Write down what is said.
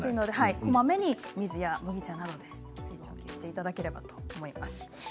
こまめに水や麦茶などで水分補給していただければと思います。